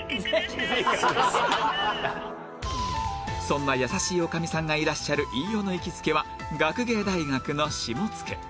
そんな優しいおかみさんがいらっしゃる飯尾の行きつけは学芸大学のしもつけ